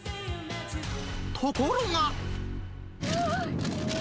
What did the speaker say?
ところが。